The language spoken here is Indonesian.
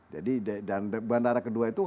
jadi bandara kedua itu